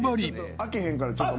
開けへんからちょっと。